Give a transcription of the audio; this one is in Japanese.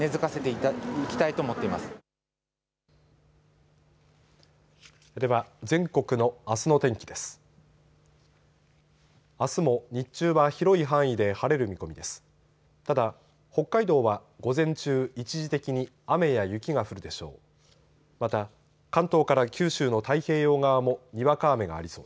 ただ、北海道は午前中一時的に雨や雪が降るでしょう。